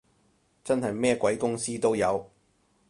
真係咩鬼公司都有